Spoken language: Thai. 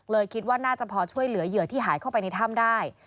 คิดว่าน่าจะพอช่วยเหลือเหยื่อที่หายเข้าไปในถ้ำได้